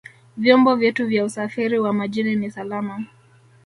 vyombo vyetu vya usafiri wa majini ni salama